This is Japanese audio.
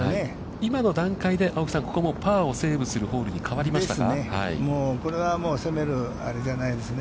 今の段階で青木さんもここもパーをセーブするホールに変わりましたか。ですね。